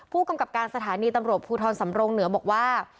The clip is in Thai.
ผู้กำกับการสถานีตำรวจภูทรสำรงเหนือบอกว่า